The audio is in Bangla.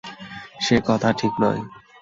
সে কথা ঠিক নয়।